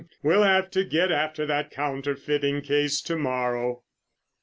We'll have to get after that counterfeiting case to morrow."